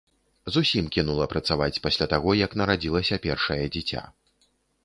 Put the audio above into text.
Зусім кінула працаваць пасля таго, як нарадзілася першае дзіця.